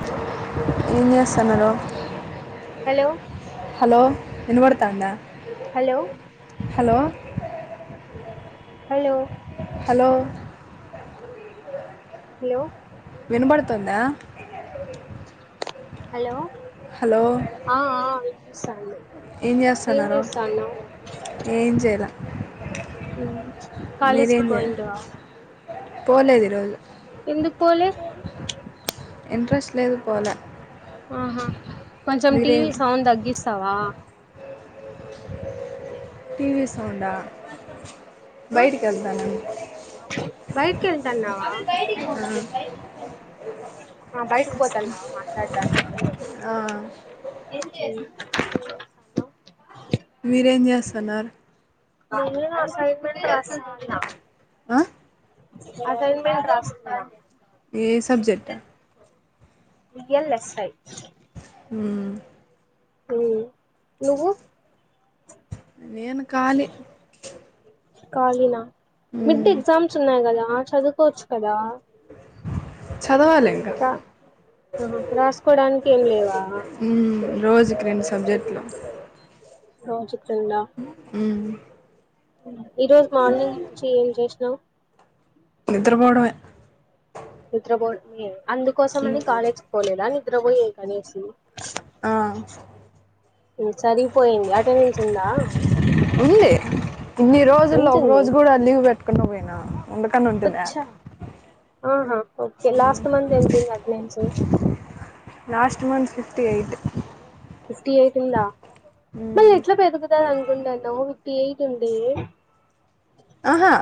Hello ఏం చేస్తున్నారు hello hello వినబడతాందా హలో హలో హలో హలో వినబడుతుందా హలో హలో ఆ ఆ వినిపిస్తాంది ఏం చేస్తున్నారు ఏం చెయ్యలా ఉ కాలేజ్ కి చేయ పోయింటవా పోలేదు ఈరోజు ఎందుకుపోలే ఇంట్రెస్ట్ లేదు పోలే ఆహా కొంచెం టీవీ మీరేం సౌండ్ తగ్గిస్తావా టీవీ సౌండా బయటికి వెళ్తానుండు బయటికి వెళ్తున్నావా ఆ బయటకు పోతాన్నావా మాట్లాడడానికి మీరు ఏం చేస్తున్నారు [unintelligible] ఆ అసైన్మెంట్ రాస్తున్నా ఏ subject V L F I ఉ ఉ నువ్వు నేను ఖాళీ కాలిన మిడ్ మ్మ్. ఎగ్జామ్స్ ఉన్నాయి కదా చదువుకోవచ్చు కదా చదవాలి ఇంకా రా ఆహా రాసుకోడానికి ఏం లేవా ఉ రోజుకి రెండు సబ్జెక్టులు రోజు తింద మ్మ్. ఈ రోజు మార్నింగ్ నుంచి ఏం చేసినావ్ నిద్రపోవడమే నిద్రపో అందుకోసం అని కాలేజ్కి పోలేదా నిద్రపోయే కానీ ఆ సరిపోయింది అటెండెన్స్ ఉందా ఉంది ఇన్ని రోజుల్లో ఒక ఎంతుంది రోజు గూడా లీవు పెట్టకుండా పోయినా ఉండకని ఉంటుందా ఆహా ఓకే లాస్ట్ మంత్ నేను వెళ్ళ లేను sir last month fifty eight fifty eight ఉందా మళ్ళి ఎట్లా పెరుగుతా ముందన్నావ్ ఫిఫ్టీ ఎయిట్ ఉందీ ఆహా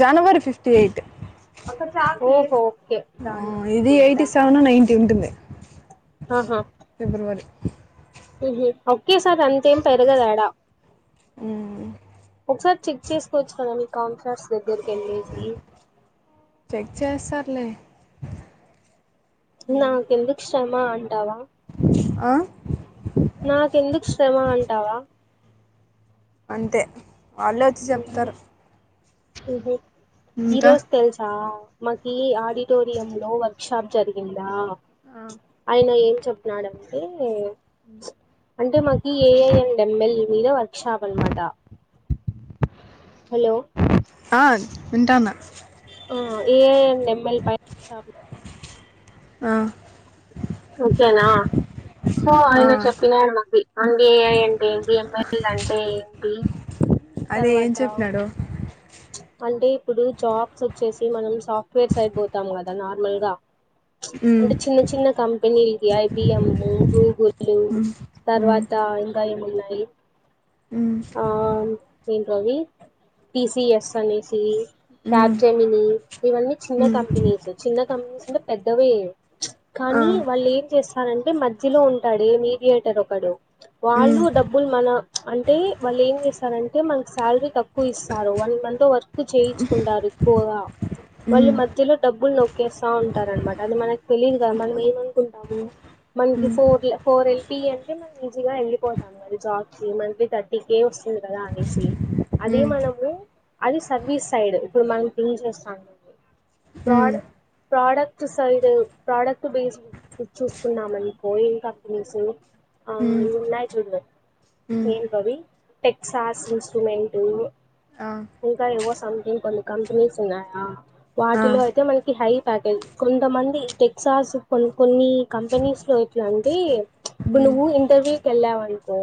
జనవరి ఫిఫ్టీ ఎయిట్ ఓహో ఓకే ఆ దానిలో ఇది ఫిఫ్టీ ఎయిటీ ఎయిటా సెవెన్ నైంటీ ఉంటుంది ఫిబ్రవరి హ్మ్ హు ఓకే సారి అంతేం పెరగదాడ ఉమ్, ఒకసారి చెక్ చేస్కోవచ్చు కదానె కౌన్సర్స్ దగ్గరకి ఎళ్ళేసి లే నా ఎందుకు శ్రమ టవా ఆ, నాకెందుకు శ్రమ అంటావా అంతే వాళ్ళే వచ్చి చెప్తారు హ్మ్ హు ఇంకా ఈరోజు తెలుసా మాకీ ఆడిటోరియం లో వర్క్ షాప్ జరిగిందా ఆయన ఏం చెప్పినాడంటే అంటే మాకి ఏఐ అండ్ ఎంమెల్ మీద వర్క్ షాప్ అన్నమాట హలో ఆ వింటాన ఆ ఏఐ అండ్ ఏంమెల్ పై వర్క్ షాప్ ఆ ఓకేనా సో ఆ, ఆయన చెప్పినాడు మాకి అండ్ ఏఐ అంటే ఏంటి ఎంమెల్ అంటే ఏంటి అదే ఏం తరువాత చెప్పినాడు అంటే ఇప్పుడు జాబ్స్ వచ్చేసి మనం సాఫ్ట్వేర్స్ అయిపోతాం కదా నార్మల్ గా ఉమ్, అంటే చిన్న చిన్న కంపెనీలు ఇవి ఐబిఎం గూగులు ఉమ్, ఉమ్, తర్వాత ఇంకా ఏమున్నాయి ఉమ్ రవి టిసిఎస్ అనేసి ఉమ్, ట్యాబ్ జెమిని ఇవన్నీ చిన్న ఆ కంపెనీస్ చిన్న కంపెనీస్ ఉంటే పెద్దవే కానీ వాళ్ళు ఏం చేస్తారంటే మధ్యలో ఉంటాడే మీడియేటర్ ఒకడు వాళ్ళు మ్మ్ డబ్బులు మన అంటే వాళ్ళు ఏం చేస్తారంటే మనకి శాలరీ తక్కువ ఇస్తారు వన్ మంత్ వర్క్ చేయించుకుంటారు ఎక్కువగా వాళ్ళు మ్మ్ మధ్యలో డబ్బులు నొకేస్తా ఉంటార అనమాట అది మనకి తెలీదు గ మనం ఏమనుకుంటాము మనకి మ్మ్ ఫోర్ ల ఫోర్ ఎల్పి అంటే మ ఈజీగా ఎళ్ళిపోతాం కద జాబ్స్ కి మంత్లీ థర్టీ కే వస్తుంది కదా అనేసి అదీ మ్మ్ మనము అది సర్వీస్ సైడ్ ఇప్పుడు మనం థింక్ చేస్తాం మ్మ్ fraud product side product base చూసుకున్నామనుకో ఈ కంపెనీస్ ఆ మ్మ్ ఇ ఉన్నాయ్ చూడ్వే మ్మ్ ఏం అవి టెక్సాస్ ఇన్స్ట్రుమెంట్ ఆ ఇంకా ఎవవో సంథింగ్ కొన్ని కంపెనీస్ ఉన్నాయా ఆ వాటిలో అయితే మనకి హై ప్యాకేజ్ కొంతమంది టెక్సాస్ కొ కొన్ని కంపెనీస్ లో ఎట్లాంటే ఇప్పుడు మ్మ్ నువ్వు ఇంటర్వ్యూ కి వెళ్ళావనుకో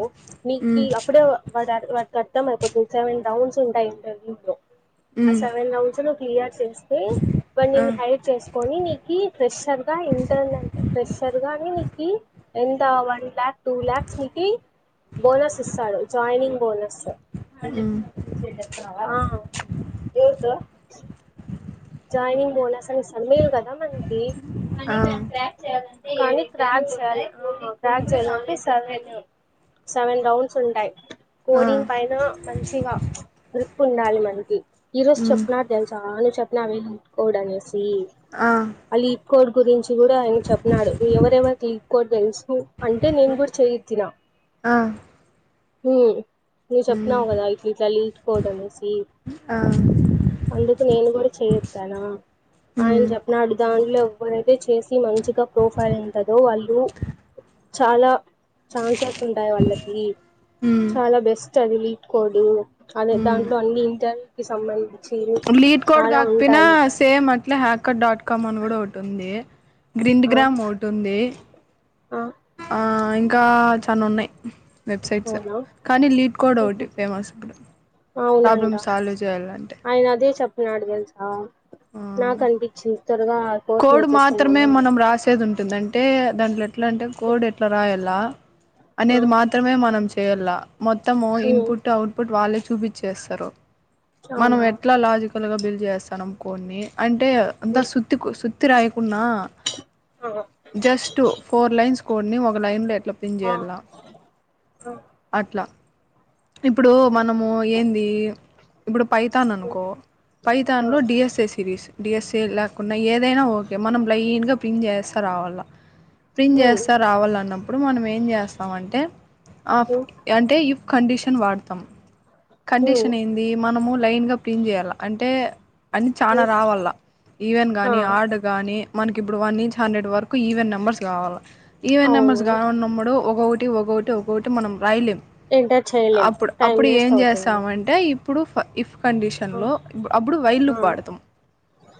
నీకు మ్మ్ అప్పుడే వా వాటికి అర్థంమయిపోతు నను సెవెన్ రౌండ్స్ ఉంటాయి ఇంటర్వ్యూ లో ఆ మ్మ్ సెవెన్ రౌండ్స్ ను్ క్లియర్ చేస్తే వా ఆ హైర్ చేసుకొని నీ ఫ్రెషర్ గా ఇంటార్న్ ఫ్రెషర్ గాని నీకి ఎంత వన్ లాక్ టూ లాక్స్ నీ బోనస్ ఇస్తాడు జాయినింగ్ బోనస్ మ్మ్ ఆ హు ఎంత జాయినింగ్ బోనస్ అని మిలకదా మనకినీ ఆ కానీ ఫ్రాచేయ ఫ్రాచ సర్వేంటు సెవెన్ రౌండ్స్ ఉంటాయి్ ఆ కోడింగ్ పైన మంచిగా గ్రిప్పు ఉండాలి మనకి ఈ రోజు మ్మ్ చెప్న్నారు చానా చెప్ నావి ఉడలసి ఆ అలీ కోడ్ గురించి కూడా ఆయన చెప్పన్నాడు ఎవరెవరికి క్కోడ్ తెలుసు అంటే నేను కూడా చేయిత్తిన ఆ ఉ నువ్వు మ్మ్ చెప్పినవు కదా ఇట్లా ఇట్లా లింకు కోడ్ అనేసి ఆ అందుకు నేను కూడా చెయ్యెత్తనా ఆయన మ్మ్ చెప్పిన అడు దాంట్లో ఎవరైతే చేసి మంచిగా ప్రొఫైల్ ఉంటుందో వాళ్ళు చాలా ఛాన్సెస్ ఉంటాయి వాళ్ళకి మ్మ్ చాలా బెస్ట్ అది లీక్కొడ్ అదే మ్మ్ దాంట్లో అన్ని ఇంటర్వూ కి సంబంధించ చీరు లీడ్ కోడ్ కాకపోయినా సేమ్ అట్లా హ్యాకర్ డాట్ కామ్ అని కూడా ఒకటి ఉంది గ్రిండ్ ఆ గ్రామ్ ఒకటింది ఆ ఆ ఇంకా చా ఉన్నాయి్ వెబ్సైట్స్ అవునా కానీ లీడ్ కోడ్ ఒకటి ఉహు, ఫేమస్ ఇప్పుడు అవునంట ప్రాబ్లమ్ సాల్వ్ చేయాలంటే ఆయన అదే చెప్ప నాడు తెలుసా ఆ నాకు అనిపించింది త్వరగా ఆ కోర్స్ కోడ్ నేర్చేసుకుందాము మాత్రమే అని మనం రాసేది ఉంటుంది అంటే దాంట్లో ఎట్లా అంటే ఉ, కోడ్ ఎట్లా రాయాల ఆ, అనేది మాత్రమే మనం చేయలా మొత్తము ఉ, ఇన్పుట్ అవుట్పుట్ వాళ్ళే చూపించేస్తారు మనం అవునా ఎట్లా లాజికల్ గా డీల్ చేస్తున్నాం కోడ్ ని అండ్ అంటే ఉ, సుత్తి సుత్తి రాయకుండా ఆ జస్ట్ ఫోర్ లైన్స్ కోడ్ ని ఒక లైన్లో ఎట్ల బిల్డ్ ఆ చేయాల అట్లా ఇప్పుడు మనము ఏంది ఇప్పుడు పైతాన్ అనుకో పైతాన్ లో డిఎస్ఏ సిరీస్ డిఎస్ఏ లేకుండా ఏదైనా ఓకే మనం లైన్ గా ప్రింట్ చేస్తా రావాల ప్రింట్ చేస్తా ఆ రావాలన్న ఇప్పుడు మనం ఏం చేస్తామ అంటే అంటే ఇఫ్ కండిషన్ వాడతాం కండిషన్ ఏంది మనము లైన్ గా ప్రింట్ చేయాల అంటే అన్న చాలా రావాల ఈవెన్ కానీ ఆర్డు కానీ మనకి ఇప్పుడు వన్ నుంచి హండ్రెడ్ వరకు ఈవెన్ నెంబర్స్ కావాలి ఈవెన్ నెంబర్స్ అవును కావలన్నప్పుడు ఒకొటి ఒకొటి ఒక్కొకటి మనం రాయలేం ఎంటర్ చేయలేం అప్పుడు టైం అప్పుడు ఏం వేస్ట్ చేస్త అవుతుంది ాంటే ఇప్పుడు ఇఫ్ కండిషన్ ఆ లో అప్పుడు వైల్ ఆ లూప్ వాడుతాం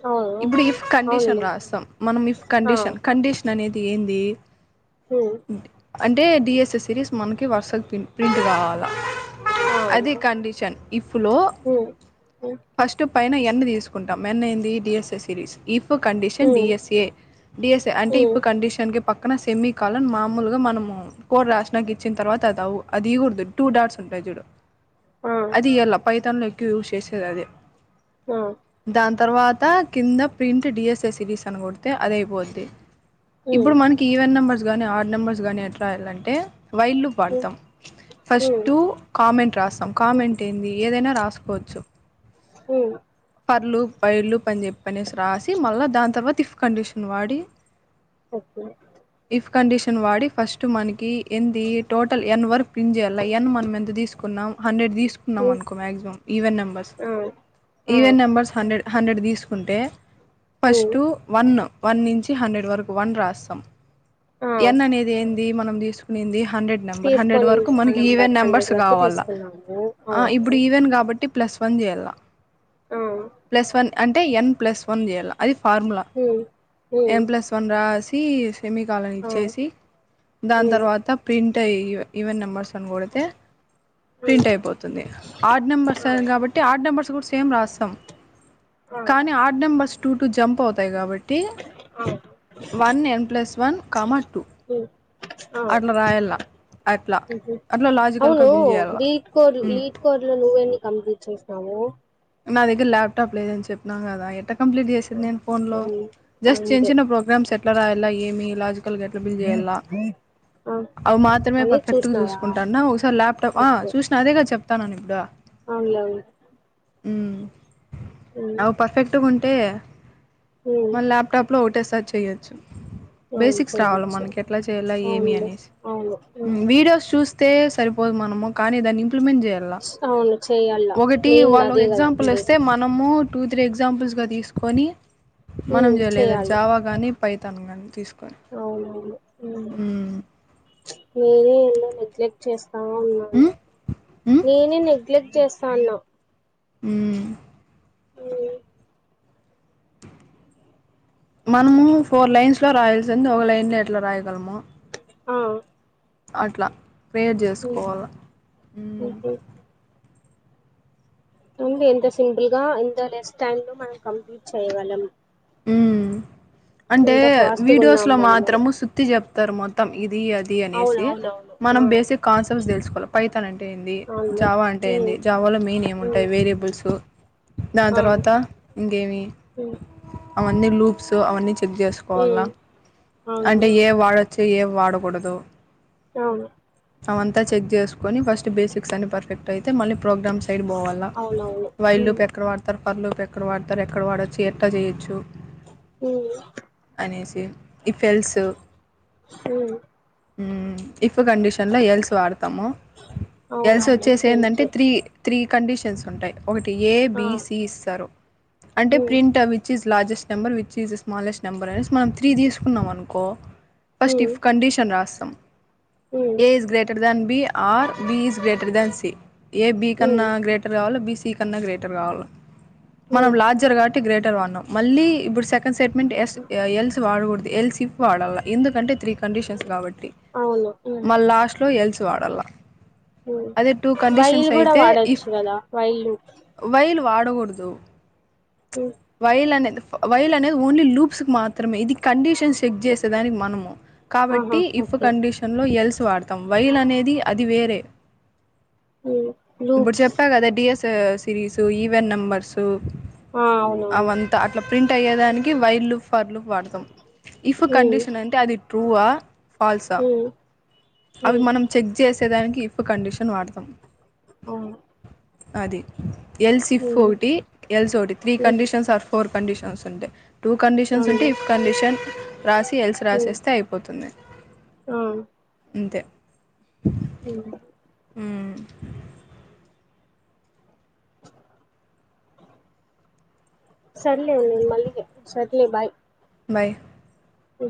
అవును ఇప్పుడు ఇఫ్ కండిషన్ అవునులే రాస్తాం మనం ఇఫ్ ఆ కండిషన్ కండిషన్ అనేది ఏంది హ అంటే డిఎస్ఏ సిరీస్ మనకి వరుసగా ప్రి ప్రింట్ కావాలా అవును అది కండిషన్ ఇఫ్ లో ఉమ్ ఫస్ట్ పైన ఎన్ తీసుకుంటాం మెనేంది DSA series if condition um um DSA DSA అంటే ఇఫ్ ఉమ్ కండిషన్ పక్క పక్కన సెమీ కాలన్ మామూలుగా మనము కోడ్ రాసినక ఇచ్చిన తర్వాత అదవు అది ఇయకూడదు టూ డాట్స్ ఉంటాంది చూడు ఆ అది ఇయలా పయితానులో ఎక్కువ యూజ్ చేసేది అదే ఆ దాని తర్వాత కింద ప్రింట్ డిఎస్ఏ సిరీస్ అని కొడితే అది అయిపొద్ది ఉమ్ ఇప్పుడు మనకి ఈవెన్ నెంబర్స్ గానీ ఆడ్ నెంబర్స్ గానీ ఎట్ రాయలంటే వైలూప్ ఉమ్ వాడుతాం ఉమ్ ఫస్ట్ కామెంట్ రాస్తాం ఉమ్ కామెంట్ ఏంది ఏదైనా రాసుకోవచ్చు ఉమ్ పర్లు పైర్లు పని చె పనేసి రాసి మళ్ళ దాని తర్వాత ఇఫ్ కండిషన్ వాడి ఓకే ఇఫ్ కండిషన్ వాడి ఫస్ట్ మనకి ఏంది టోటల్ ఎన్ వర్క్ పిన్ చేయాల ఎన్ మనం ఎంత తీసుకున్నాం హండ్రెడ్ తీసుకున్నాం ఉమ్ అనుకో మ్యాక్సిమం ఈవెన్ నెంబర్స్ ఆ ఆ ఈవెన్ నెంబర్స్ హండ్రెడ్ హండ్రెడ్ తీసుకుంటే ఉమ్ ఫస్టు వన్ వన్ నుంచి హండ్రెడ్ వరకు వన్ రాస్తాం ఆ ఎన్ అనేది ఏంది మనం తీసుకునింది హండ్రెడ్ నెంబర్ హండ్రెడ్ వరకు తీసుకొనింది ఆ మనకి ఈవెన్ నెంబర్ నెంబర్స్ హండ్రెడ్ వరకు కావాల్ల తీసుకున్నాము అ ఇప్పుడు అవును ఈవెన్ కాబట్టి ప్లస్ వన్ చేయాల ఆ ప్లస్ వన్ అంటే ఎన్ ప్లస్ వన్ చేయాల అది ఫార్ములా ఉ ఉ ఎన్ ప్లస్ వన్ రాసి సెమికాలన్ ఆ ఇచ్చేసి దాని ఉ తర్వాత ప్రింట్ అయ్యి ఈ ఈవెన్ నెంబర్స్ అని కొడితే ఉ ప్రింట్ అయిపోతుంది ఆడ్ నెంబర్స్ ఆ కాబట్టి ఆడ్ నెంబర్స్ కూడా సేమ్ రాస్తాం ఆ కానీ odd numbers two two jump అవుతాయి కాబట్టి ఆ వన్ ఎన్ ప్లస్ వన్ కామ ఉ ఆ అట్ల రాయల్ల అట్లా అట్లా లాజికల్గా అవును బిల్ చేయాల లీట్ కోడ్ మ్ లీట్ కోడ్ లో నువ్వెన్ని కంప్లీట్ చేసినావు నా దగ్గర ల్యాప్టాప్ లేదని చెప్పినా కదా ఎట్ట కంప్లీట్ చేసేది నేను ఫోన్ లో ఉమ్ జస్ట్ చిన్న పాయింటే చిన్న ప్రోగ్రామ్స్ ఎట్ల రాయల్లా ఏమి ఇలా ముక్కలుగ ఎట్ల బిల్ చేయాల ఆ అవి మాత్రమే అనేది పర్ఫెక్ట్ గా చూసినావా చూసుకుంటాన్న ఒకసారి ల్యాప్టాప్ ఆ చూసిన అదే కద చెప్తానను ఇప్పుడు అమ్లి యెవలు ఉమ్ అవి పర్ఫెక్ట్గా ఉంటే ఉమ్ ఉమ్ మళ ల్యాప్టాప్ లో ఒకటేసారి చేయొచ్చు అవును బేసిక్స్ రావాల చేయొచ్చు మనకి ఎట్లా చేయాల ఏమి అవునులే అనేసి అవును ఉమ్ వీడియోస్ చూస్త తే సరిపోదు మనము కానీ దాన్ని ఇంప్లిమెంట్ చేయాల అవును చెయ్యాల ఒకటి మెయిన్ వాల్ ఒక అదే కదా ఎగ్జాంపుల్ వస్తే ఉండేది మనము టూ త్రీ ఎగ్జాంపుల్స్ గా తీసుకొని మనం ఉమ్ చేయలేదు చేయాలి జావా గాని పైతన్ గానీ తీసు అవునవును వేరే ఏన్నో నెగ్లెక్ట్ చేస్ అవునవును మ్మ్ మ్మ్ నేనే నెగ్లెక్ట్ చేస్తాన్నా ఉమ్ ఎ యి మనము ఫోర్ లైన్స్ లో రాయాల్సింది ఒక లైన్ లో ఎట్లా రాయగలము హ అట్లా ప్రేయర్ చేసుకోవాల ఉ ఉంది ఎంత సింపుల్ గా ఎంత లెస్ టైమ్ లో మనం కంప్లీట్ చేయగలం అంటే ఎంత ఫాస్ట్ గా ఉన్నాం వీడియోస్లో మనము మాత్రము సుత్తి చెప్ తర్ మొత్తం ఇది అది అవును అనేసి అవునవును మనం ఆ బేసిక్ కాన్సెప్ట్స్ తెలుసుకోవాల పైతాన్ అంటే ఏంది అవును జావా అంటే ఏంది ఉమ్ జావాలో మెయిన్ ఉమ్ ఏముంటాయి వేరియేబుల్స్ దాని ఆ తర్వాత ఇంకేమి ఉమ్ అవన్నీ లూప్స్ అవన్నీ చెక్ చేసుకోవాలా ఉమ్ అవును అంటే ఏ వాడ ఏవి వాడొచ్చు ఏవీ వాడకూడదొ అవును అవంత చెక్ చేసుకొని ఫస్ట్ బేసిక్స్ అని పర్ఫెక్ట్ అయితే మళ్ళీ ప్రోగ్రామ్ సైడ్ బోవాల్ల అవునవును వైలు ఉమ్ లూప్ ఎక్కడ వాడతారు పర్ లూపు ఎక్కడ వాడతారు ఎక్కడ వాడరు చేత్త చెయ్యొచ్చు ఉమ్ అనేసి ఇఫెల్ట్స్ ఉమ్ ఉ ఇఫ్ కండిషన్ల ఎల్స్ వాడుతాము ఎల్స్ అవునవును వచ్చేసి ఏంది అంటే ఫ్రెండ్స్ త్రీ త్రీ కండిషన్స్ ఉంటాయి ఒకటి ఏ ఆ బి సి ఇస్తారు అంటే ఉమ్ ప్రింట్ ఆ which is largest number which is smallest number అనేసి మనం త్రీ తీసుకున్నాం అనుకో ఫస్ట్ ఉమ్ ఇఫ్ కండిషన్ రాస్తాం um A is greater than B or B is greater than C A B కన్నా um greater కావాలో B C C కన్న greater కావాలా మనం ఉమ్ ఉమ్. లార్జర్ కాబట్టి గ్రేటర్ వాన్నాం మళ్ళీ ఇప్పుడు సెకండ్ స్టేట్మెంట్ ఎస్ ఎల్స్ వాడకూడదు ఎల్స్ఫ ఎల్ సి ప్ వాడాల ఎందుకంటే త్రీ కండిషన్స్ కాబట్టి అవును ఉమ్ మళ్ళ లాస్ట్ లో ఎల్స్ తు వాడల్లా ఉమ్ అది టూ కడిషన్స్ వైల్ కూడా అయితే ఇఫ్ వాడొచ్చు కదా వైల్ వైల్ వాడు డకూడదు లూప్. ఉమ్ వైల్ అనేది వైల్ అనేది ఓన్లీలూబ్స్ కు మాత్రమే ఇది కండిషన్ టెన్స్ చెక్ ఉమ్ చేసేదానికి మనము ఆహా కాబట్టి ఇఫ్ ఓకే కండిషన్ లో ఎల్ ఇచ్చు వాడుతాం వైల్ అనేది అది వేరే ఉమ్ ఇప్పుడు లూప్స్ చెప్పా కదా డిఎస్ తా సిరీస్ ఈవెన్ నంబర్స్ ఆ అవునవును అవి అంతా అట్లా ప్రింట్ అయ్యేదానికి వైలు ఫర్లు వాడతాం ఇఫ్ ఉమ్ కండిషన్ అంటే అది ట్రూవా ఫాల్స్ ఆ ఉమ్ అవి ఉమ్ మనం చెక్ చేసేదానికి ఇఫ్ కండిషన్ వాడతాం అవును అది ఎల్ సిప్ ఉమ్ ఓటి ఎల్స్ ఓటి three um conditions or four conditions అంటే టూ కండిషన్స్ ఉంటే అవును. ఇఫ్ కండిషన్ రాసి ఎల్స్ రాసేస్తే అయిపోతుంది రామ్ ఇంతే ఉ [unintelligible] సర్లే ఉన్ను నేను మళ్ళీ ఏ సర్లే బాయ్ బాయ్ హు